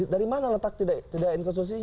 dari mana letak tidak inkonsumsi